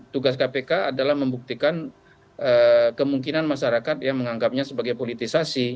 tugas kpk adalah membuktikan kemungkinan masyarakat yang menganggapnya sebagai politisasi